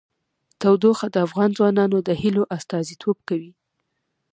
تودوخه د افغان ځوانانو د هیلو استازیتوب کوي.